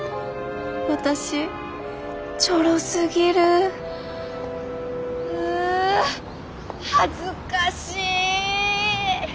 私チョロすぎるう恥ずかし。